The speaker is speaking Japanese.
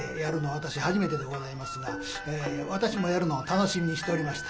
初めてでございますが私もやるのを楽しみにしておりました。